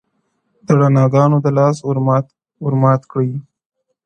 • د رڼا گــانــــــــو د لاس ور مــــات كـــــــــړی؛